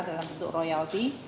dalam bentuk royalti